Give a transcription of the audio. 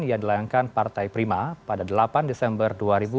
yang dilayangkan partai prima pada delapan desember dua ribu dua puluh